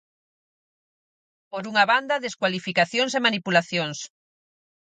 Por unha banda descualificacións e manipulacións.